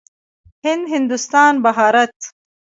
هند، هندوستان، بهارت.